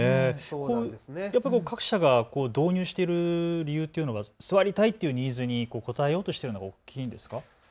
各社が導入している理由というのは座りたいというニーズに応えようとしているのが大きいんですか。